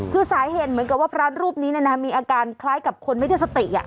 คือสาเหตุเหมือนกับว่าพระรูปนี้มีอาการคล้ายกับคนไม่ได้สติ